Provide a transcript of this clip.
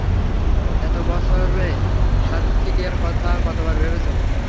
এত বছরে সাথ্যীয়ার কথা কতবার ভেবেছ?